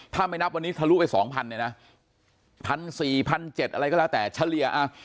ถ้าไม่นับวันนี้ทะลุไป๒๐๐เนี่ยนะ๑๔๗๐๐อะไรก็แล้วแต่เฉลี่ย